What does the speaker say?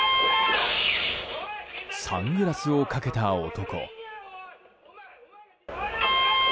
サングラスをかけた男。